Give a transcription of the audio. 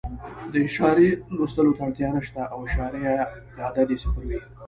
د اعشاریې لوستلو ته اړتیا نه شته او اعشاریه عدد یې صفر وي.